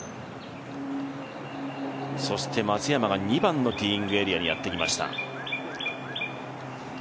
そして松山が２番のティーイングエリアにやってきました。